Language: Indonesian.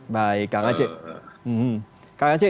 baik kang aceh